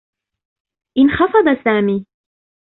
انخفض سامي.